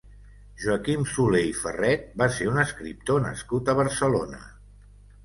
Joaquim Soler i Ferret va ser un escriptor nascut a Barcelona.